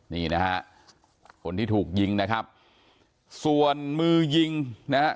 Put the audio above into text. นี่นะฮะคนที่ถูกยิงนะครับส่วนมือยิงนะฮะ